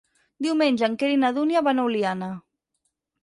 Diumenge en Quer i na Dúnia van a Oliana.